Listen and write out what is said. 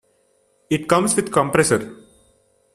It comes with Compressor.